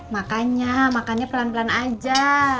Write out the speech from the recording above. makannya makannya pelan pelan aja